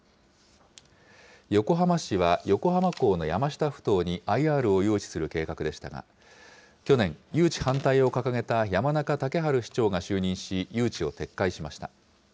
横浜市は横浜港の山下ふ頭にＩＲを誘致する計画でしたが、去年、誘致反対を掲げた山中竹春市長が就任し、誘致を撤回しました。